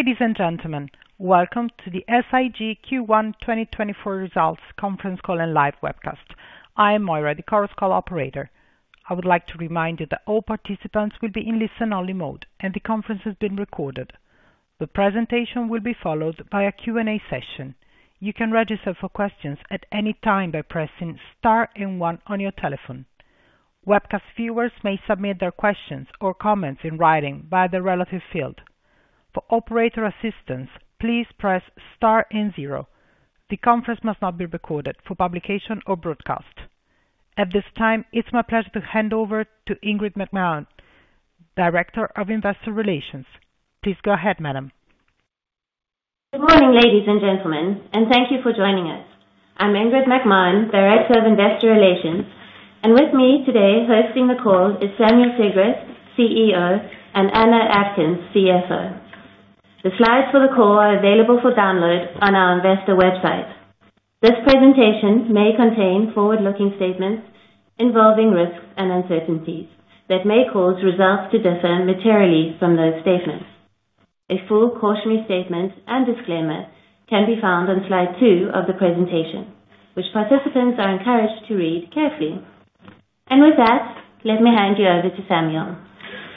Ladies and gentlemen, welcome to the SIG Q1 2024 Results Conference Call and Live Webcast. I am Moira, the call operator. I would like to remind you that all participants will be in listen-only mode, and the conference is being recorded. The presentation will be followed by a Q&A session. You can register for questions at any time by pressing star and one on your telephone. Webcast viewers may submit their questions or comments in writing via the relevant field. For operator assistance, please press star and zero. The conference must not be recorded for publication or broadcast. At this time, it's my pleasure to hand over to Ingrid McMahon, Director of Investor Relations. Please go ahead, madam. Good morning, ladies and gentlemen, and thank you for joining us. I'm Ingrid McMahon, Director of Investor Relations, and with me today, hosting the call, is Samuel Sigrist, CEO, and Anna Atkins, CFO. The slides for the call are available for download on our investor website. This presentation may contain forward-looking statements involving risks and uncertainties that may cause results to differ materially from those statements. A full cautionary statement and disclaimer can be found on slide two of the presentation, which participants are encouraged to read carefully. With that, let me hand you over to Samuel.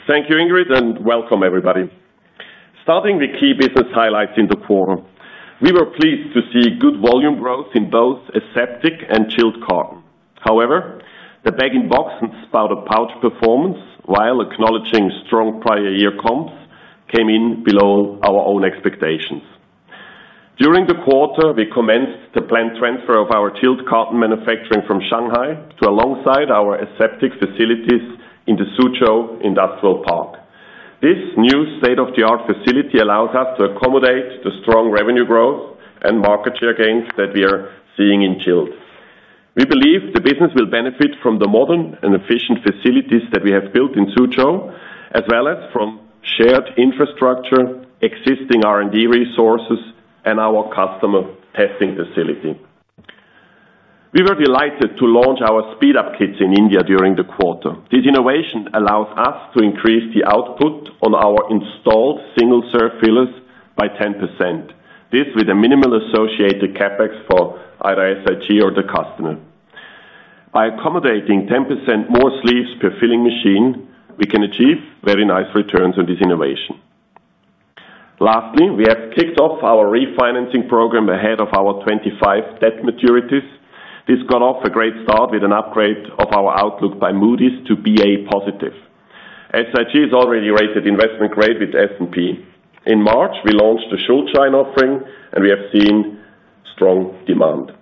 Thank you, Ingrid, and welcome everybody. Starting the key business highlights in the quarter. We were pleased to see good volume growth in both aseptic and chilled carton. However, the bag-in-box and spouted pouch performance, while acknowledging strong prior year comps, came in below our own expectations. During the quarter, we commenced the planned transfer of our chilled carton manufacturing from Shanghai to alongside our aseptic facilities in the Suzhou Industrial Park. This new state-of-the-art facility allows us to accommodate the strong revenue growth and market share gains that we are seeing in chilled. We believe the business will benefit from the modern and efficient facilities that we have built in Suzhou, as well as from shared infrastructure, existing R&D resources, and our customer testing facility. We were delighted to launch our speedup kits in India during the quarter. This innovation allows us to increase the output on our installed single serve fillers by 10%. This with a minimal associated CapEx for either SIG or the customer. By accommodating 10% more sleeves per filling machine, we can achieve very nice returns on this innovation. Lastly, we have kicked off our refinancing program ahead of our 2025 debt maturities. This got off to a great start with an upgrade of our outlook by Moody's to Ba positive. SIG has already rated investment grade with S&P. In March, we launched a Schuldschein offering, and we have seen strong demand.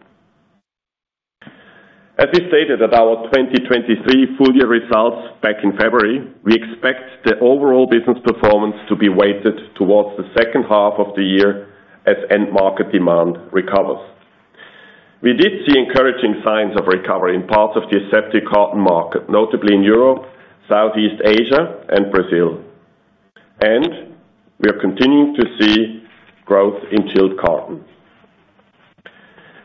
As we stated at our 2023 full year results back in February, we expect the overall business performance to be weighted towards the H2 of the year as end market demand recovers. We did see encouraging signs of recovery in parts of the aseptic carton market, notably in Europe, Southeast Asia, and Brazil, and we are continuing to see growth in chilled carton.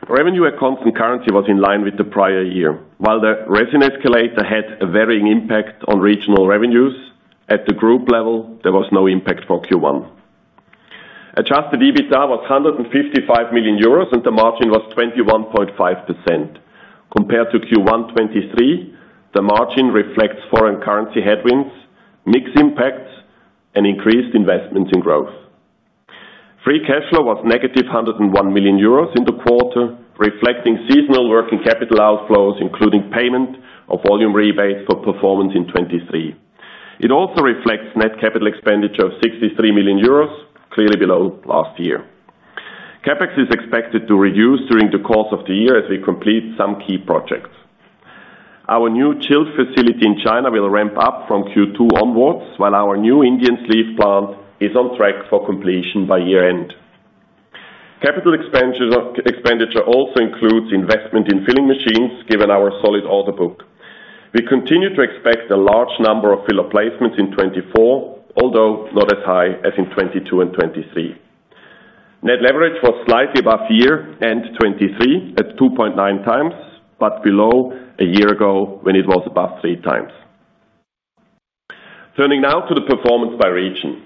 Revenue at constant currency was in line with the prior year. While the resin escalator had a varying impact on regional revenues, at the group level, there was no impact for Q1. Adjusted EBITDA was 155 million euros, and the margin was 21.5%. Compared to Q1 2023, the margin reflects foreign currency headwinds, mix impacts, and increased investments in growth. Free cash flow was negative 101 million euros in the quarter, reflecting seasonal working capital outflows, including payment of volume rebates for performance in 2023. It also reflects net capital expenditure of 63 million euros, clearly below last year. CapEx is expected to reduce during the course of the year as we complete some key projects. Our new chilled facility in China will ramp up from Q2 onward, while our new Indian sleeve plant is on track for completion by year-end. Capital expenditure also includes investment in filling machines, given our solid order book. We continue to expect a large number of filler placements in 2024, although not as high as in 2022 and 2023. Net leverage was slightly above year-end 2023, at 2.9x, but below a year ago, when it was above 3x. Turning now to the performance by region.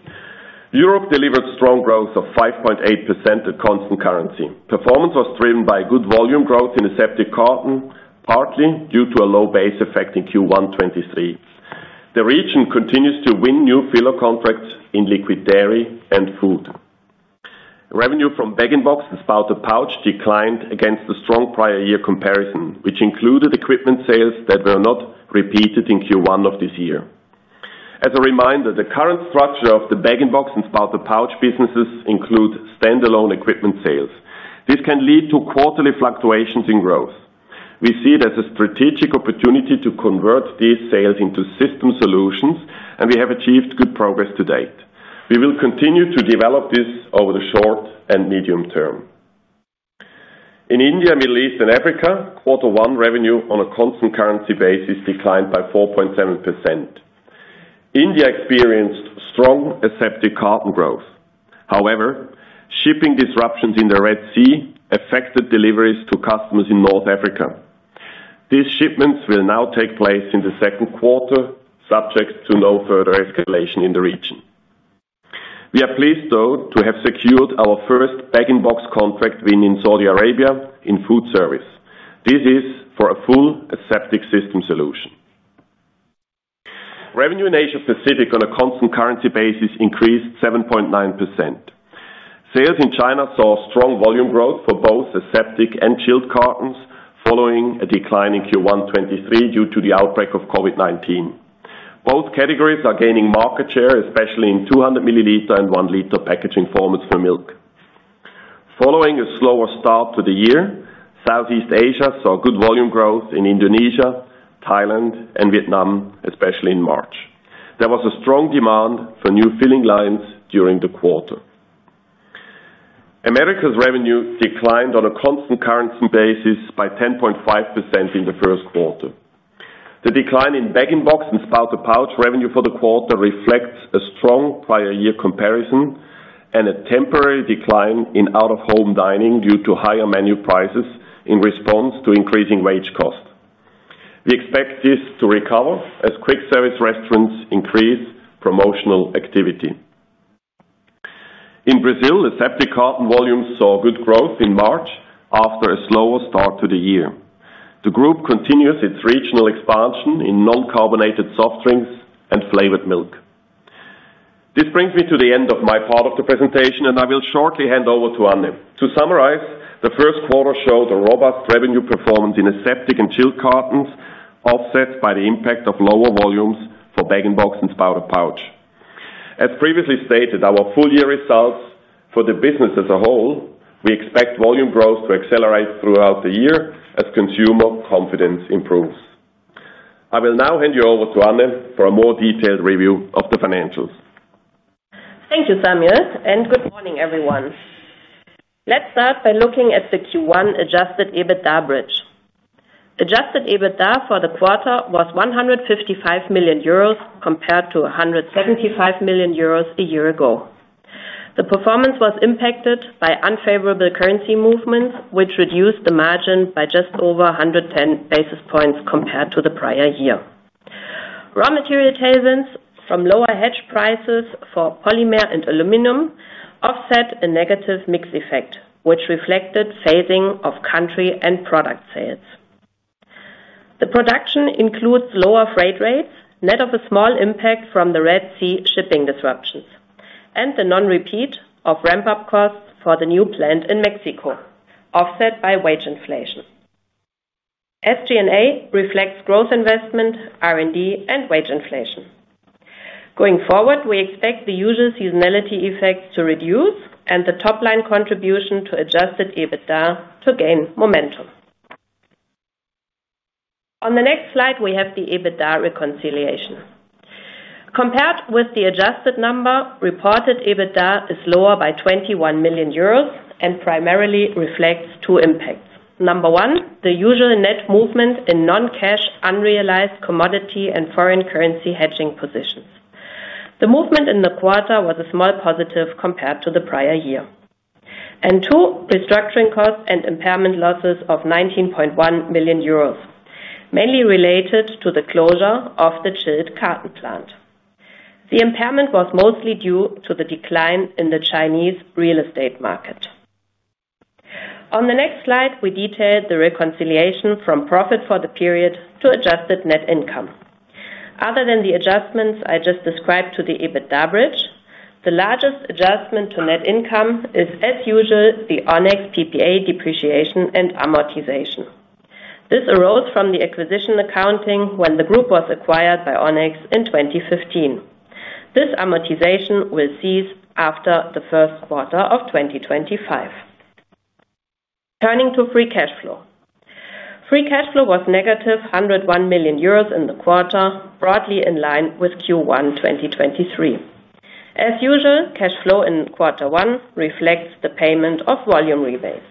Europe delivered strong growth of 5.8% at constant currency. Performance was driven by good volume growth in aseptic carton, partly due to a low base effect in Q1 2023. The region continues to win new filler contracts in liquid dairy and food. Revenue from bag-in-box and spouted pouch declined against the strong prior year comparison, which included equipment sales that were not repeated in Q1 of this year. As a reminder, the current structure of the bag-in-box and spouted pouch businesses include standalone equipment sales. This can lead to quarterly fluctuations in growth. We see it as a strategic opportunity to convert these sales into system solutions, and we have achieved good progress to date. We will continue to develop this over the short and medium term. In India, Middle East, and Africa, quarter one revenue on a constant currency basis declined by 4.7%. India experienced strong aseptic carton growth. However, shipping disruptions in the Red Sea affected deliveries to customers in North Africa. These shipments will now take place in the Q2, subject to no further escalation in the region. We are pleased, though, to have secured our first bag-in-box contract win in Saudi Arabia in food service. This is for a full aseptic system solution. Revenue in Asia Pacific on a constant currency basis increased 7.9%. Sales in China saw strong volume growth for both aseptic and chilled cartons, following a decline in Q1 2023 due to the outbreak of COVID-19. Both categories are gaining market share, especially in 200 ml and 1 L packaging formats for milk. Following a slower start to the year, Southeast Asia saw good volume growth in Indonesia, Thailand, and Vietnam, especially in March. There was a strong demand for new filling lines during the quarter. Americas' revenue declined on a constant currency basis by 10.5% in the Q1. The decline in bag-in-box and spouted pouch revenue for the quarter reflects a strong prior year comparison and a temporary decline in out-of-home dining due to higher menu prices in response to increasing wage costs. We expect this to recover as quick service restaurants increase promotional activity. In Brazil, aseptic carton volumes saw good growth in March after a slower start to the year. The group continues its regional expansion in non-carbonated soft drinks and flavored milk. This brings me to the end of my part of the presentation, and I will shortly hand over to Anna. To summarize, the Q1 showed a robust revenue performance in aseptic and chilled cartons, offset by the impact of lower volumes for bag-in-box and spouted pouch. As previously stated, our full year results for the business as a whole, we expect volume growth to accelerate throughout the year as consumer confidence improves. I will now hand you over to Anna for a more detailed review of the financials. Thank you, Samuel, and good morning, everyone. Let's start by looking at the Q1 Adjusted EBITDA bridge. Adjusted EBITDA for the quarter was 155 million euros, compared to 175 million euros a year ago. The performance was impacted by unfavorable currency movements, which reduced the margin by just over 110 basis points compared to the prior year. Raw material tailwinds from lower hedge prices for polymer and aluminum offset a negative mix effect, which reflected phasing of country and product sales. The production includes lower freight rates, net of a small impact from the Red Sea shipping disruptions and the non-repeat of ramp-up costs for the new plant in Mexico, offset by wage inflation. SG&A reflects growth investment, R&D, and wage inflation. Going forward, we expect the usual seasonality effects to reduce and the top line contribution to Adjusted EBITDA to gain momentum. On the next slide, we have the EBITDA reconciliation. Compared with the adjusted number, reported EBITDA is lower by 21 million euros and primarily reflects two impacts. Number one, the usual net movement in non-cash, unrealized commodity and foreign currency hedging positions. The movement in the quarter was a small positive compared to the prior year. And two, restructuring costs and impairment losses of 19.1 million euros, mainly related to the closure of the chilled carton plant. The impairment was mostly due to the decline in the Chinese real estate market. On the next slide, we detailed the reconciliation from profit for the period to adjusted net income. Other than the adjustments I just described to the EBITDA bridge, the largest adjustment to net income is, as usual, the Onex PPA depreciation and amortization. This arose from the acquisition accounting when the group was acquired by Onex in 2015. This amortization will cease after the Q1 of 2025. Turning to free cash flow. Free cash flow was negative 101 million euros in the quarter, broadly in line with Q1 2023. As usual, cash flow in Q1 reflects the payment of volume rebates.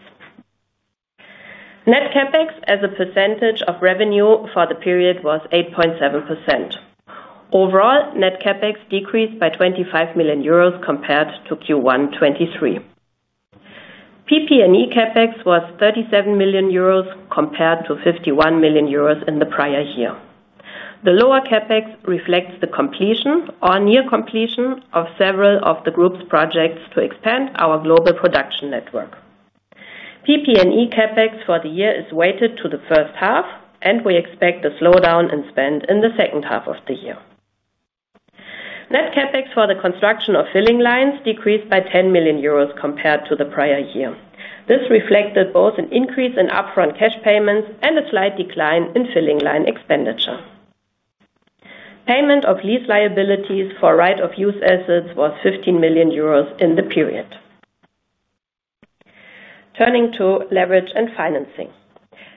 Net CapEx as a percentage of revenue for the period was 8.7%. Overall, net CapEx decreased by 25 million euros compared to Q1 2023. PP&E CapEx was 37 million euros compared to 51 million euros in the prior year. The lower CapEx reflects the completion or near completion of several of the group's projects to expand our global production network. PP&E CapEx for the year is weighted to the H1, and we expect a slowdown in spend in the H2 of the year. Net CapEx for the construction of filling lines decreased by 10 million euros compared to the prior year. This reflected both an increase in upfront cash payments and a slight decline in filling line expenditure. Payment of lease liabilities for right of use assets was 15 million euros in the period. Turning to leverage and financing.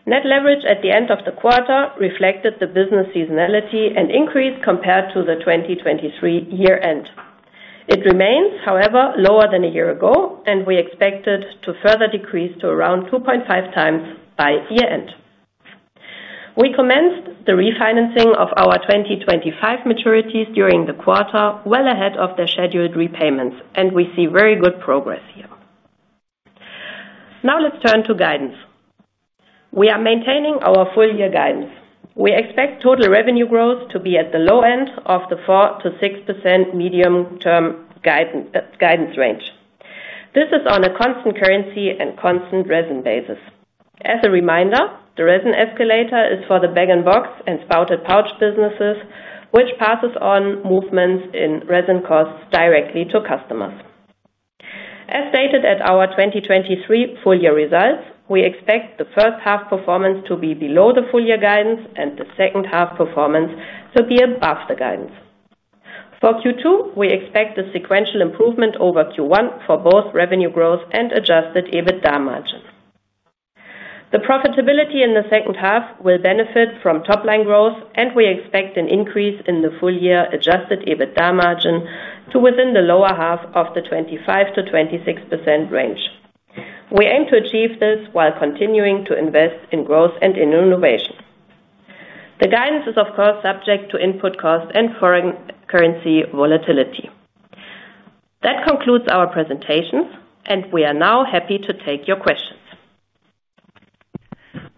Net leverage at the end of the quarter reflected the business seasonality and increased compared to the 2023 year end. It remains, however, lower than a year ago, and we expect it to further decrease to around 2.5x by year-end. We commenced the refinancing of our 2025 maturities during the quarter, well ahead of the scheduled repayments, and we see very good progress here. Now let's turn to guidance. We are maintaining our full year guidance. We expect total revenue growth to be at the low end of the 4% to 6% medium-term guidance range. This is on a constant currency and constant resin basis. As a reminder, the resin escalator is for the bag-in-box and spouted pouch businesses, which passes on movements in resin costs directly to customers. As stated at our 2023 full year results, we expect the H1 performance to be below the full year guidance and the H2 performance to be above the guidance. For Q2, we expect a sequential improvement over Q1 for both revenue growth and Adjusted EBITDA margins. The profitability in the H2 will benefit from top line growth, and we expect an increase in the full year Adjusted EBITDA margin to within the lower half of the 25% to 26% range. We aim to achieve this while continuing to invest in growth and in innovation. The guidance is, of course, subject to input costs and foreign currency volatility. That concludes our presentation, and we are now happy to take your questions.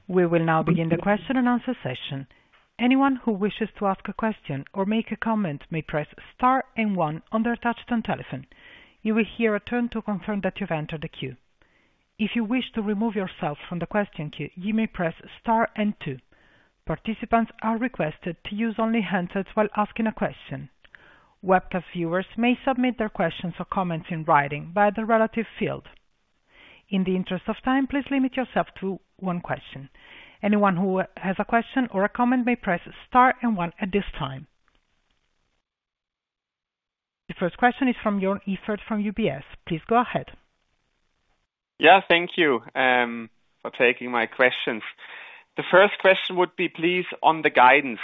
We will now begin the question and answer session. Anyone who wishes to ask a question or make a comment, may press star and one on their touchtone telephone. You will hear a tone to confirm that you've entered the queue. If you wish to remove yourself from the question queue, you may press star and two. Participants are requested to use only handsets while asking a question. Webcast viewers may submit their questions or comments in writing via the relative field. In the interest of time, please limit yourself to one question. Anyone who has a question or a comment may press star and one at this time. The first question is from Joern Iffert from UBS. Please go ahead. Yeah, thank you for taking my questions. The first question would be, please, on the guidance.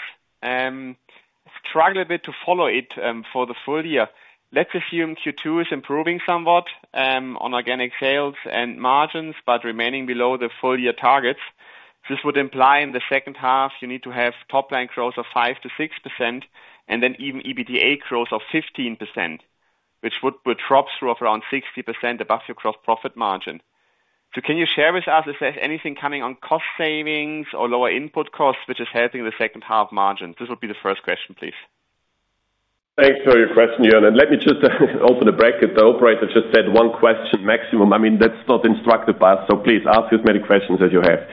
Struggle a bit to follow it for the full year. Let's assume Q2 is improving somewhat on organic sales and margins, but remaining below the full year targets. This would imply in the you need toH2, have top line growth of 5% to 6% and then even EBITDA growth of 15%, which would drop through of around 60% above your gross profit margin. So can you share with us if there's anything coming on cost savings or lower input costs, which is helping the H2 margin? This would be the first question, please. Thanks for your question, Joern, and let me just open the bracket. The operator just said one question maximum. I mean, that's not instructed by us, so please ask as many questions as you have.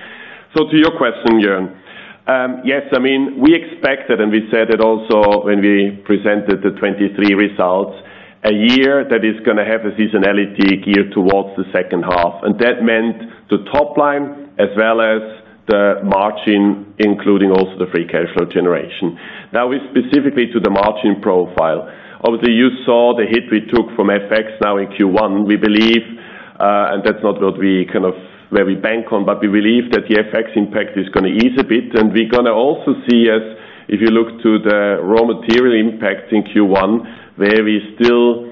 So to your question, Joern, yes, I mean, we expected, and we said it also when we presented the 2023 results, a year that is going to have a seasonality geared towards the H2, and that meant the top line as well as the margin, including also the free cash flow generation. Now, specifically to the margin profile, obviously, you saw the hit we took from FX now in Q1. We believe, and that's not what we kind of, where we bank on, but we believe that the FX impact is going to ease a bit. We're going to also see as, if you look to the raw material impact in Q1, where we still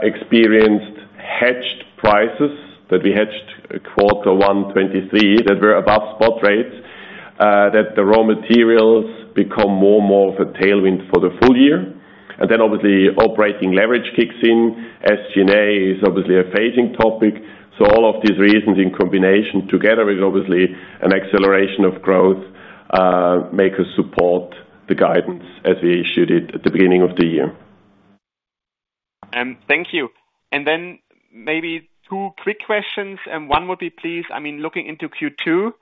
experienced hedged prices, that we hedged Q1 2023, that were above spot rates, that the raw materials become more and more of a tailwind for the full year. And then, obviously, operating leverage kicks in. SG&A is obviously a phasing topic. So all of these reasons in combination together is obviously an acceleration of growth, make us support the guidance as we issued it at the beginning of the year. Thank you. And then maybe two quick questions, and one would be, please, I mean, looking into Q2,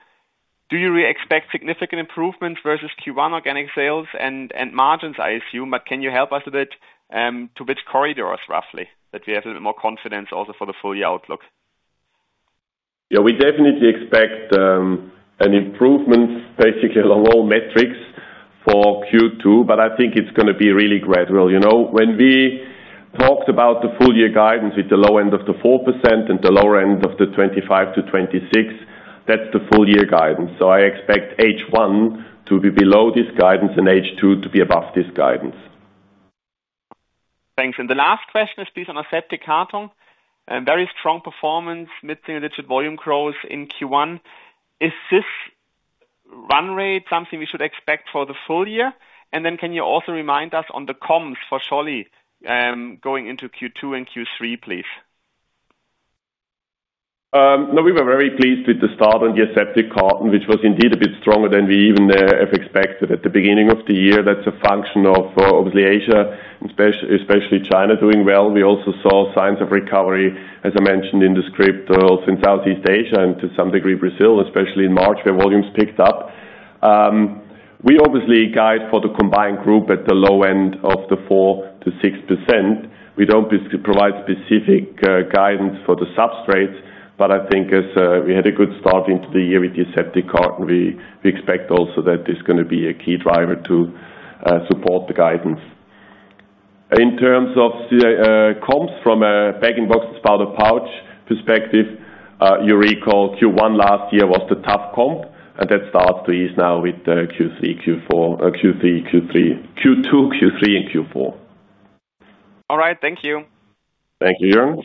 do you expect significant improvement versus Q1 organic sales and, and margins, I assume, but can you help us a bit, to which corridors roughly, that we have a little more confidence also for the full year outlook? Yeah, we definitely expect an improvement, basically, along all metrics for Q2, but I think it's going to be really gradual. You know, when we talked about the full year guidance with the low end of the 4% and the lower end of the 2025 to 2026, that's the full year guidance. So I expect H1 to be below this guidance and H2 to be above this guidance. Thanks. And the last question is, please, on aseptic carton, very strong performance, mid-single-digit volume growth in Q1. Is this run rate something we should expect for the full year? And then can you also remind us on the comps for Scholle, going into Q2 and Q3, please? No, we were very pleased with the start on the aseptic carton, which was indeed a bit stronger than we even have expected at the beginning of the year. That's a function of obviously Asia, especially China, doing well. We also saw signs of recovery, as I mentioned in the script, in Southeast Asia and to some degree, Brazil, especially in March, where volumes picked up. We obviously guide for the combined group at the low end of the 4% to 6%. We don't provide specific guidance for the substrates, but I think as we had a good start into the year with the aseptic carton, we expect also that it's going to be a key driver to support the guidance. In terms of the comps from a bag and box and spouted pouch perspective, you recall Q1 last year was the tough comp, and that starts to ease now with the Q2, Q3, and Q4. All right. Thank you. Thank you, Joern.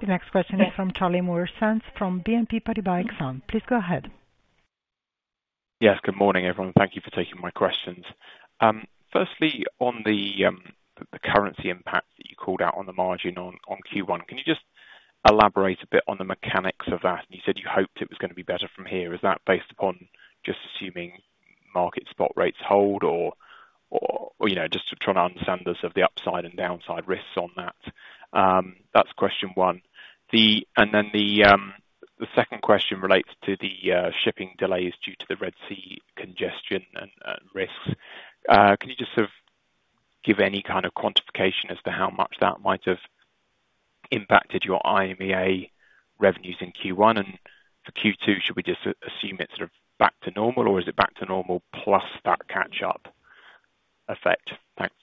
The next question is from Charlie Muir-Sands, from BNP Paribas. Please go ahead.... Yes, good morning, everyone. Thank you for taking my questions. Firstly, on the, the currency impact that you called out on the margin on, on Q1, can you just elaborate a bit on the mechanics of that? And you said you hoped it was gonna be better from here. Is that based upon just assuming market spot rates hold or, you know, just to try and understand the sort of the upside and downside risks on that? That's question one. And then the second question relates to the shipping delays due to the Red Sea congestion and risks. Can you just sort of give any kind of quantification as to how much that might have impacted your IMEA revenues in Q1? For Q2, should we just assume it's sort of back to normal, or is it back to normal plus that catch-up effect? Thanks.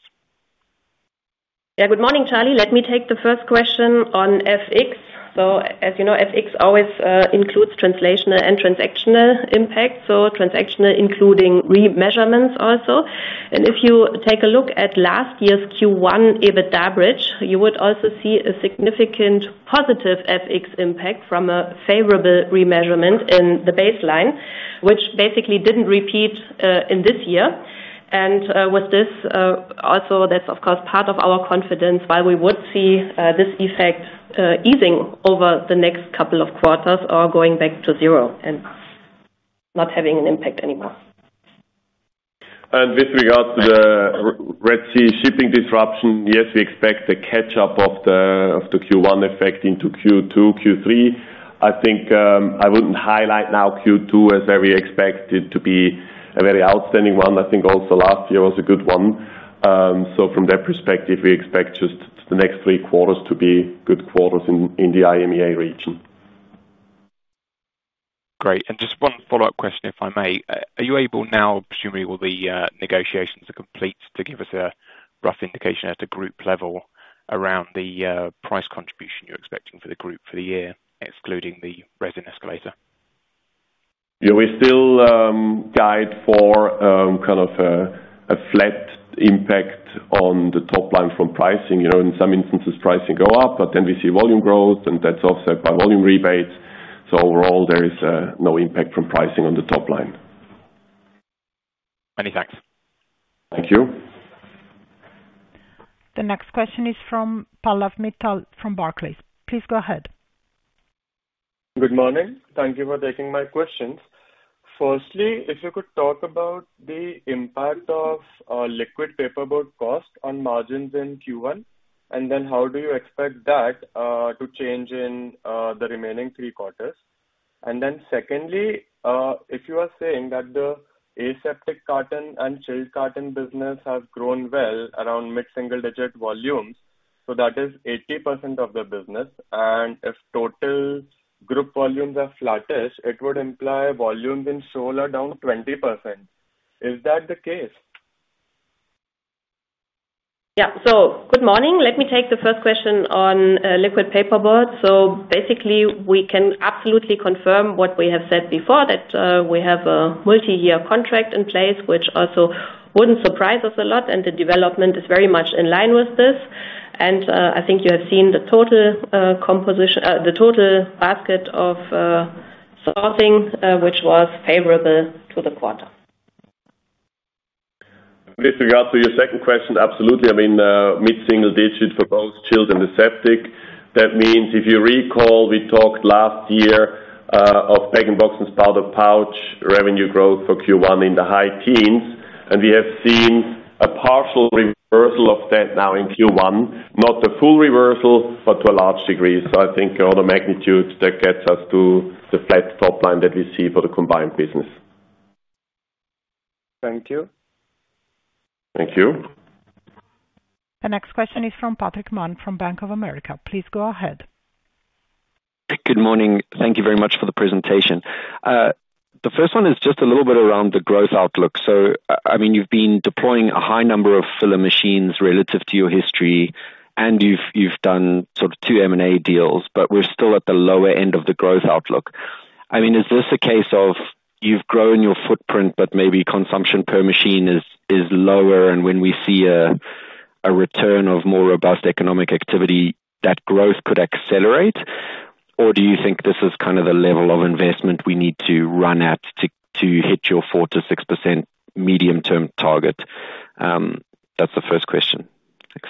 Yeah, good morning, Charlie. Let me take the first question on FX. So as you know, FX always includes translational and transactional impact, so transactional including remeasurements also. And if you take a look at last year's Q1 EBITDA bridge, you would also see a significant positive FX impact from a favorable remeasurement in the baseline, which basically didn't repeat in this year. And with this also, that's of course part of our confidence while we would see this effect easing over the next couple of quarters or going back to zero and not having an impact anymore. With regard to the Red Sea shipping disruption, yes, we expect a catch-up of the Q1 effect into Q2, Q3. I think, I wouldn't highlight now Q2 as where we expect it to be a very outstanding one. I think also last year was a good one. So from that perspective, we expect just the next three quarters to be good quarters in the IMEA region. Great. And just one follow-up question, if I may. Are you able now, presumably all the negotiations are complete, to give us a rough indication at the group level around the price contribution you're expecting for the group for the year, excluding the resin escalator? Yeah, we still guide for kind of a flat impact on the top line from pricing. You know, in some instances, pricing go up, but then we see volume growth, and that's offset by volume rebates. So overall, there is no impact from pricing on the top line. Many thanks. Thank you. The next question is from Pallav Mittal from Barclays. Please go ahead. Good morning. Thank you for taking my questions. Firstly, if you could talk about the impact of liquid paperboard cost on margins in Q1, and then how do you expect that to change in the remaining three quarters? Then secondly, if you are saying that the aseptic carton and chilled carton business have grown well around mid-single-digit volumes, so that is 80% of the business, and if total group volumes are flat, it would imply volumes in other down 20%. Is that the case? Yeah. So good morning. Let me take the first question on liquid paperboard. So basically, we can absolutely confirm what we have said before, that we have a multi-year contract in place, which also wouldn't surprise us a lot, and the development is very much in line with this. And I think you have seen the total composition, the total basket of sourcing, which was favorable to the quarter. With regard to your second question, absolutely. I mean, mid-single digit for both chilled and aseptic. That means, if you recall, we talked last year of bag-in-boxes, spouted pouch, revenue growth for Q1 in the high teens, and we have seen a partial reversal of that now in Q1. Not a full reversal, but to a large degree. So I think all the magnitudes that gets us to the flat top line that we see for the combined business. Thank you. Thank you. The next question is from Patrick Mann from Bank of America. Please go ahead. Good morning. Thank you very much for the presentation. The first one is just a little bit around the growth outlook. So, I mean, you've been deploying a high number of filler machines relative to your history, and you've done sort of two M&A deals, but we're still at the lower end of the growth outlook. I mean, is this a case of you've grown your footprint, but maybe consumption per machine is lower, and when we see a return of more robust economic activity, that growth could accelerate? Or do you think this is kind of the level of investment we need to run at to hit your 4% to 6% medium-term target? That's the first question. Thanks.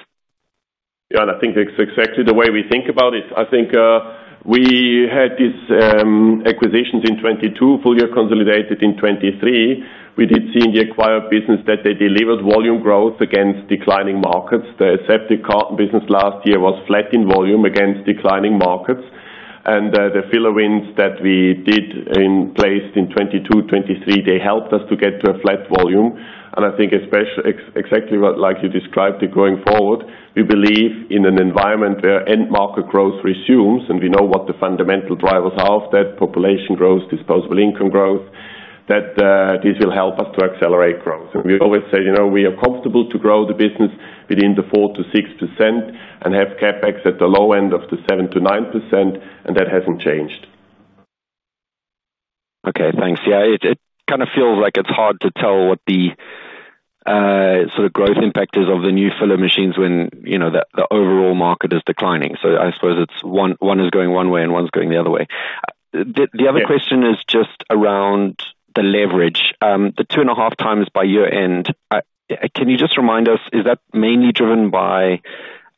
Yeah, and I think that's exactly the way we think about it. I think we had these acquisitions in 2022, fully consolidated in 2023. We did see in the acquired business that they delivered volume growth against declining markets. The aseptic carton business last year was flat in volume against declining markets. And the filler wins that we placed in 2022, 2023, they helped us to get to a flat volume. And I think especially, exactly like you described it, going forward, we believe in an environment where end market growth resumes, and we know what the fundamental drivers are of that population growth, disposable income growth, that this will help us to accelerate growth. We always say, you know, we are comfortable to grow the business between the 4% to 6% and have CapEx at the low end of the 7% to 9%, and that hasn't changed. Okay, thanks. Yeah, it kind of feels like it's hard to tell what the sort of growth impact is of the new filler machines when, you know, the overall market is declining. So I suppose it's one, one is going one way and one's going the other way. The other- Yeah. question is just around the leverage. The 2.5x by year-end, I, can you just remind us, is that mainly driven by,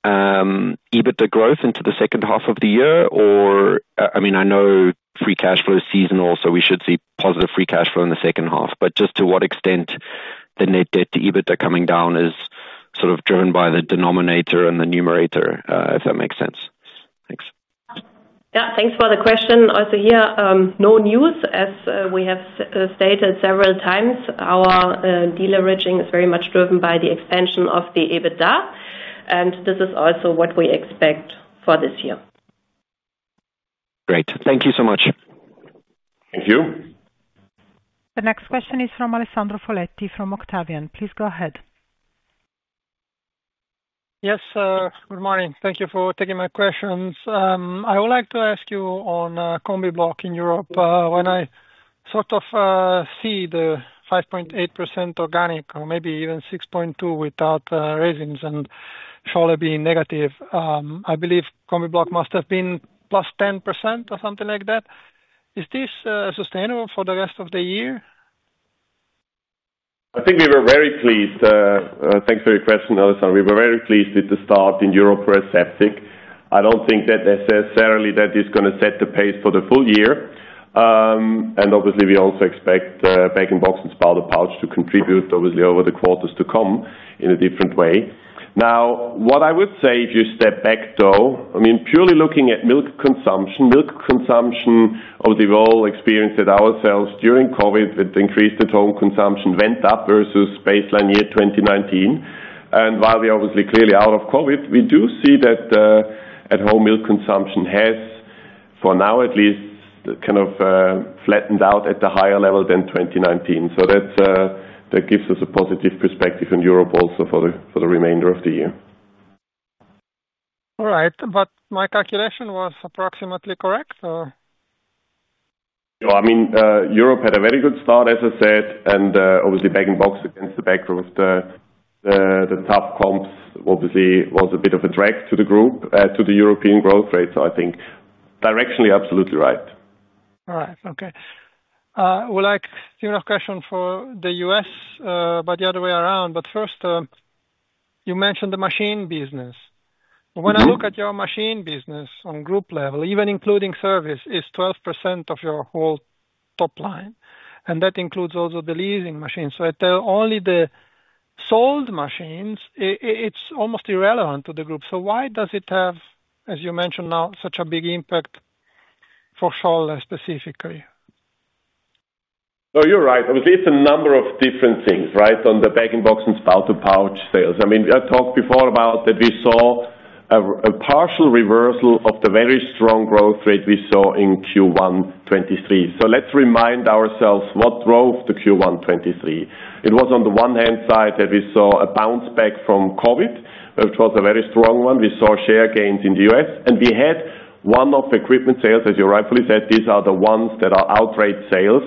EBITDA growth into the H2 of the year? Or, I mean, I know free cash flow is seasonal, so we should see positive free cash flow in the H2, but just to what extent the net debt to EBITDA coming down is sort of driven by the denominator and the numerator, if that makes sense? Thanks. Yeah, thanks for the question. Also, here, no news as we have stated several times, our deleveraging is very much driven by the expansion of the EBITDA, and this is also what we expect for this year. Great. Thank you so much. Thank you. The next question is from Alessandro Foletti, from Octavian. Please go ahead. Yes, good morning. Thank you for taking my questions. I would like to ask you on Combibloc in Europe, when I sort of see the 5.8% organic or maybe even 6.2% without resins and Scholle being negative, I believe Combibloc must have been +10% or something like that. Is this sustainable for the rest of the year? I think we were very pleased. Thanks for your question, Alessandro. We were very pleased with the start in Europe for aseptic. I don't think that necessarily that is gonna set the pace for the full year. And obviously, we also expect, bag-in-box and spout-in-pouch to contribute obviously over the quarters to come in a different way. Now, what I would say if you step back, though, I mean, purely looking at milk consumption, milk consumption or the role experienced it ourselves during COVID with increased at-home consumption went up versus baseline year 2019. And while we're obviously clearly out of COVID, we do see that, at-home milk consumption has, for now at least, kind of, flattened out at the higher level than 2019. So that's that gives us a positive perspective in Europe also for the remainder of the year. All right, but my calculation was approximately correct, so? Well, I mean, Europe had a very good start, as I said, and obviously bag-in-box against the backdrop was the, the top comps obviously was a bit of a drag to the group, to the European growth rate. So I think directionally, absolutely right. All right. Okay. Would like to ask a question for the U.S., but the other way around. But first, you mentioned the machine business. Mm-hmm. When I look at your machine business on group level, even including service, is 12% of your whole top line, and that includes also the leasing machines. So I tell only the sold machines, it's almost irrelevant to the group. So why does it have, as you mentioned now, such a big impact for Scholle specifically? No, you're right. I would say it's a number of different things, right? On the bag-in-box and spouted pouch sales. I mean, I talked before about that we saw a partial reversal of the very strong growth rate we saw in Q1 2023. So let's remind ourselves what drove the Q1 2023. It was on the one hand side, that we saw a bounce back from COVID, which was a very strong one. We saw share gains in the U.S., and we had one-off equipment sales, as you rightfully said, these are the ones that are outright sales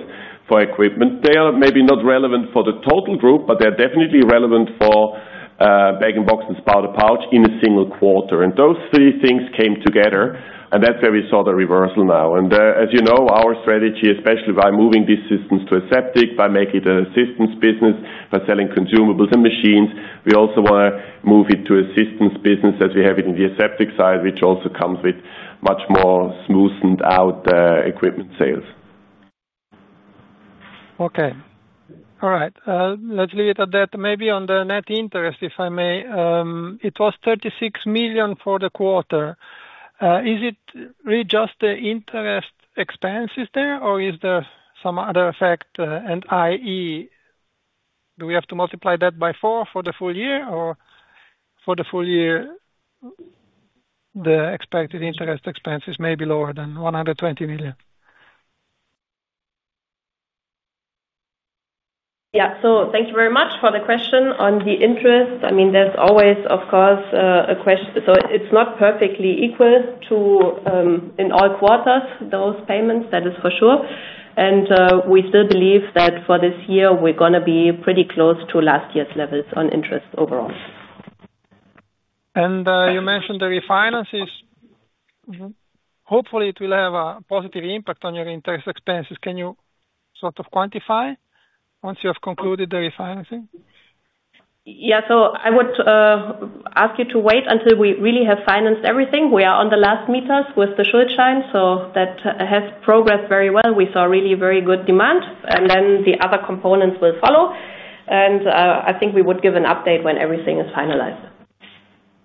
for equipment. They are maybe not relevant for the total group, but they're definitely relevant for bag-in-box and spouted pouch in a single quarter. And those three things came together, and that's where we saw the reversal now. As you know, our strategy, especially by moving these systems to aseptic, by making it an aseptic business, by selling consumables and machines, we also wanna move it to aseptic business as we have it in the aseptic side, which also comes with much more smoothened out equipment sales. Okay. All right, let's leave it at that. Maybe on the net interest, if I may. It was 36 million for the quarter. Is it really just the interest expenses there, or is there some other effect, and, i.e., do we have to multiply that by four for the full year, or for the full year, the expected interest expense is maybe lower than EUR 120 million? Yeah. So thank you very much for the question on the interest. I mean, there's always, of course, so it's not perfectly equal to in all quarters, those payments, that is for sure. And we still believe that for this year we're gonna be pretty close to last year's levels on interest overall. You mentioned the refinances. Mm-hmm. Hopefully, it will have a positive impact on your interest expenses. Can you sort of quantify once you have concluded the refinancing? Yeah. So I would ask you to wait until we really have financed everything. We are on the last meters with the Schuldschein, so that has progressed very well. We saw really very good demand, and then the other components will follow. And I think we would give an update when everything is finalized.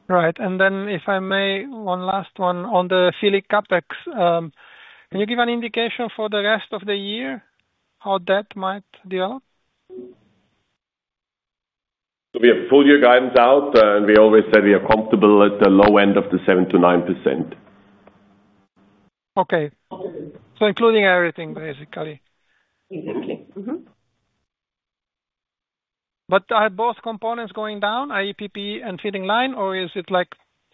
Right. And then, if I may, one last one on the filling CapEx. Can you give an indication for the rest of the year how that might develop? We have full year guidance out, and we always said we are comfortable at the low end of the 7% to 9%. Okay. So including everything, basically? Mm-hmm. Mm-hmm. But are both components going down, i.e., PPE and filling line, or is it like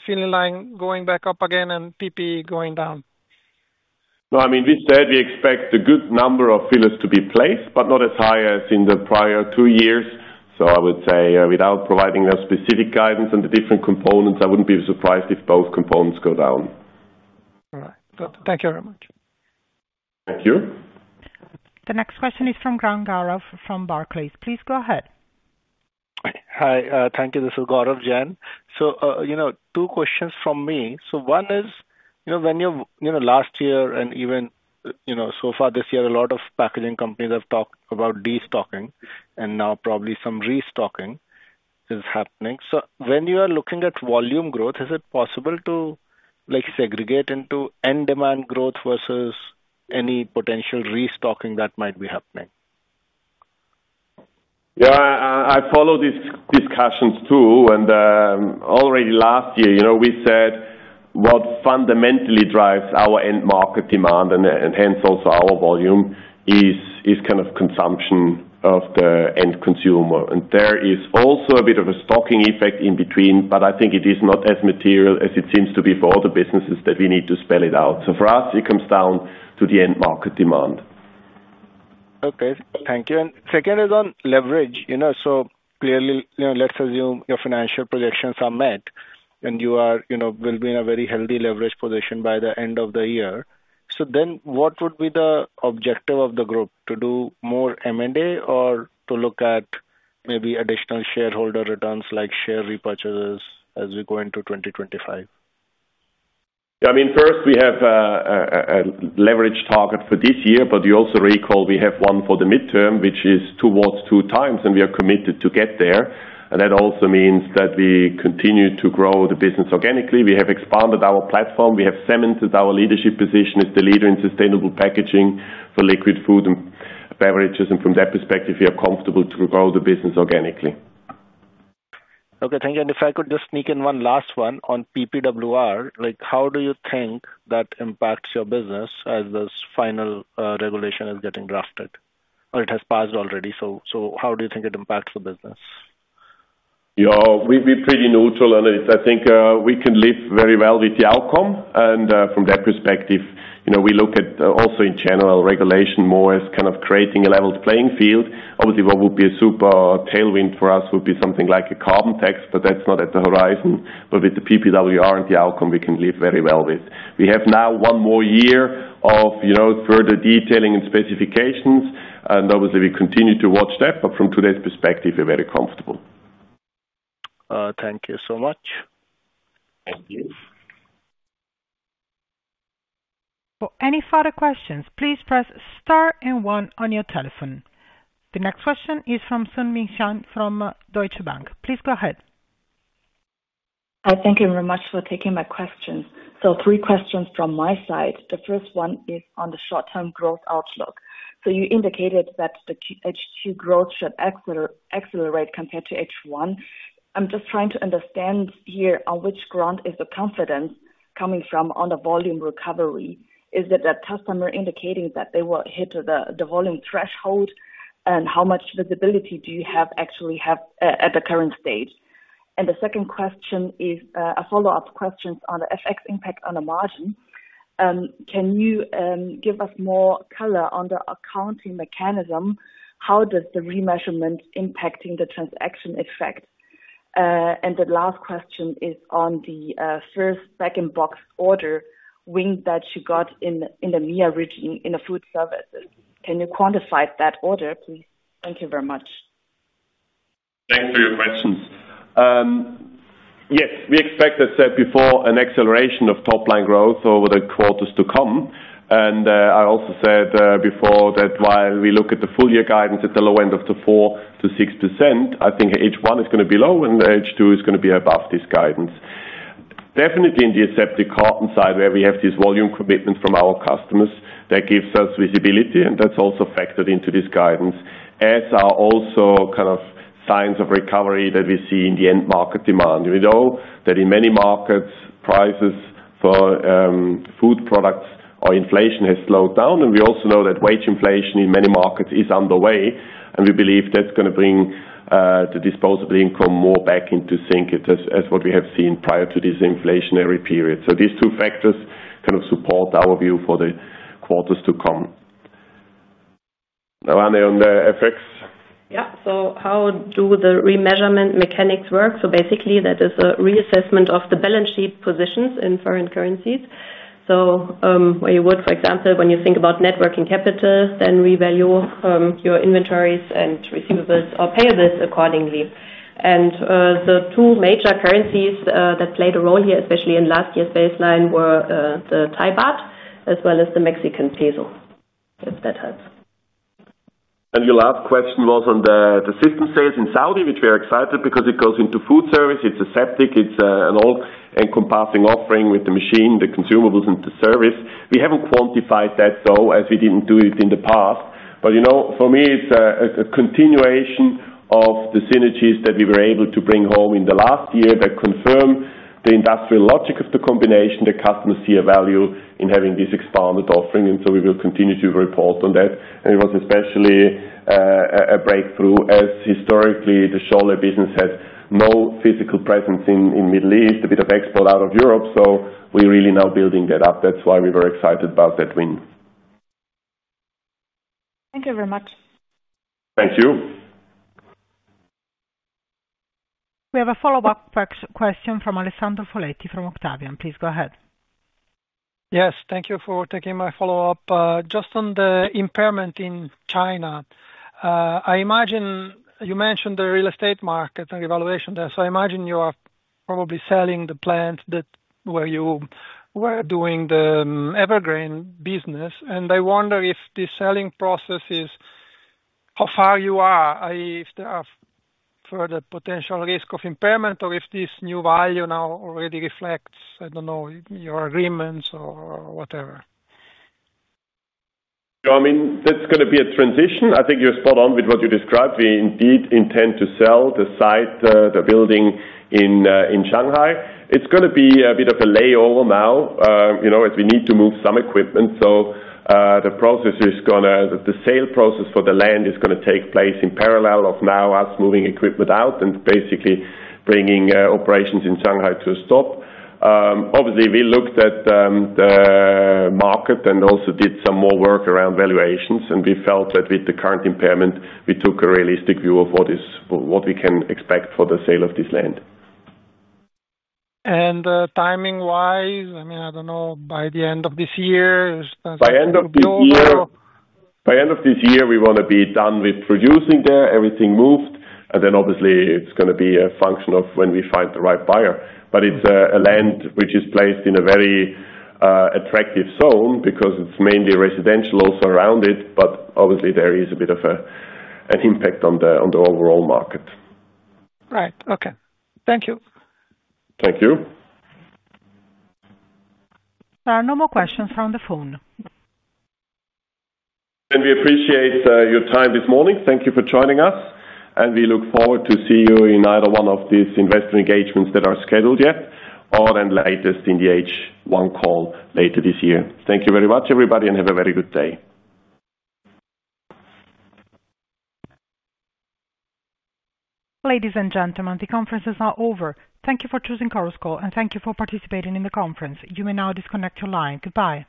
filling line going back up again and PPE going down?... No, I mean, we said we expect a good number of fillers to be placed, but not as high as in the prior two years. So I would say, without providing a specific guidance on the different components, I wouldn't be surprised if both components go down. All right. Thank you very much. Thank you. The next question is from Gaurav Jain from Barclays. Please go ahead. Hi, thank you. This is Gaurav Jain. So, you know, two questions from me. So one is, you know, when you, you know, last year and even, you know, so far this year, a lot of packaging companies have talked about destocking, and now probably some restocking is happening. So when you are looking at volume growth, is it possible to, like, segregate into end demand growth versus any potential restocking that might be happening? Yeah, I follow these discussions, too, and already last year, you know, we said what fundamentally drives our end market demand, and hence also our volume, is kind of consumption of the end consumer. And there is also a bit of a stocking effect in between, but I think it is not as material as it seems to be for all the businesses that we need to spell it out. So for us, it comes down to the end market demand. Okay, thank you. Second is on leverage. You know, so clearly, you know, let's assume your financial projections are met, and you are, you know, will be in a very healthy leverage position by the end of the year. So then what would be the objective of the group? To do more M&A or to look at maybe additional shareholder returns, like share repurchases, as we go into 2025? Yeah, I mean, first, we have a leverage target for this year, but you also recall we have one for the midterm, which is towards 2x, and we are committed to get there. And that also means that we continue to grow the business organically. We have expanded our platform. We have cemented our leadership position as the leader in sustainable packaging for liquid food and beverages, and from that perspective, we are comfortable to grow the business organically. Okay, thank you. If I could just sneak in one last one on PPWR. Like, how do you think that impacts your business as this final regulation is getting drafted? Or it has passed already, so how do you think it impacts the business? Yeah, we're pretty neutral, and it's—I think we can live very well with the outcome. From that perspective, you know, we look at also in general regulation more as kind of creating a level playing field. Obviously, what would be a super tailwind for us would be something like a carbon tax, but that's not on the horizon. But with the PPWR and the outcome, we can live very well with. We have now one more year of, you know, further detailing and specifications, and obviously we continue to watch that, but from today's perspective, we're very comfortable. Thank you so much. Thank you. For any further questions, please press star and one on your telephone. The next question is from Ng Su Xian, from Deutsche Bank. Please go ahead. Thank you very much for taking my question. So three questions from my side. The first one is on the short-term growth outlook. So you indicated that the H2 growth should accelerate compared to H1. I'm just trying to understand here, on which ground is the confidence coming from on the volume recovery? Is it that customer indicating that they will hit the volume threshold, and how much visibility do you actually have at the current stage? And the second question is, a follow-up question on the FX impact on the margin. Can you give us more color on the accounting mechanism? How does the remeasurement impacting the transaction effect? And the last question is on the first bag-in-box order win that you got in the MEA region, in the food services. Can you quantify that order, please? Thank you very much. Thanks for your questions. Yes, we expected, said before, an acceleration of top line growth over the quarters to come, and I also said, before that while we look at the full year guidance at the low end of the 4% to 6%, I think H1 is gonna be low and H2 is gonna be above this guidance. Definitely in the aseptic carton side, where we have this volume commitment from our customers, that gives us visibility, and that's also factored into this guidance, as are also kind of signs of recovery that we see in the end market demand. We know that in many markets, prices for food products or inflation has slowed down, and we also know that wage inflation in many markets is underway, and we believe that's gonna bring the disposable income more back into sync as what we have seen prior to this inflationary period. So these two factors kind of support our view for the quarters to come. Now, Anna, on the FX? Yeah. So how do the remeasurement mechanics work? So basically that is a reassessment of the balance sheet positions in foreign currencies. So, where you would, for example, when you think about net working capital, then revalue, your inventories and receivables or payables accordingly. And, the two major currencies, that played a role here, especially in last year's baseline, were, the Thai baht as well as the Mexican peso, if that helps. Your last question was on the system sales in Saudi, which we are excited because it goes into food service, it's aseptic, it's an all-encompassing offering with the machine, the consumables and the service. We haven't quantified that though, as we didn't do it in the past. But, you know, for me, it's a continuation of the synergies that we were able to bring home in the last year that confirm the industrial logic of the combination. The customers see a value in having this expanded offering, and so we will continue to report on that. It was especially a breakthrough as historically, the Scholle business had no physical presence in the Middle East, a bit of export out of Europe, so we're really now building that up. That's why we're very excited about that win.... Thank you very much. Thank you. We have a follow-up question from Alessandro Foletti from Octavian. Please go ahead. Yes, thank you for taking my follow-up. Just on the impairment in China, I imagine you mentioned the real estate market and valuation there, so I imagine you are probably selling the plant that where you were doing the Evergreen business. I wonder if the selling process is, how far you are, i.e., if there are further potential risk of impairment or if this new value now already reflects, I don't know, your agreements or whatever? So I mean, that's gonna be a transition. I think you're spot on with what you described. We indeed intend to sell the site, the building in, in Shanghai. It's gonna be a bit of a layover now, you know, as we need to move some equipment. So, the process is gonna, the sale process for the land is gonna take place in parallel of now us moving equipment out and basically bringing, operations in Shanghai to a stop. Obviously, we looked at, the market and also did some more work around valuations, and we felt that with the current impairment, we took a realistic view of what is, what we can expect for the sale of this land. Timing-wise, I mean, I don't know, by the end of this year, by end of October? By end of this year, by end of this year, we wanna be done with producing there, everything moved, and then obviously it's gonna be a function of when we find the right buyer. But it's a land which is placed in a very attractive zone because it's mainly residential also around it, but obviously there is a bit of a, an impact on the, on the overall market. Right. Okay. Thank you. Thank you. There are no more questions on the phone. Then we appreciate your time this morning. Thank you for joining us, and we look forward to see you in either one of these investment engagements that are scheduled yet or then latest in the H1 call later this year. Thank you very much, everybody, and have a very good day. Ladies and gentlemen, the conference is now over. Thank you for choosing Chorus Call, and thank you for participating in the conference. You may now disconnect your line. Goodbye.